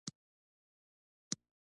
نوم اکثره د صفتونو د جوړولو له پاره کاریږي.